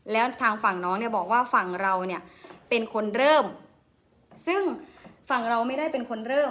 แล้วทางฝั่งน้องเนี่ยบอกว่าฝั่งเราเนี่ยเป็นคนเริ่มซึ่งฝั่งเราไม่ได้เป็นคนเริ่ม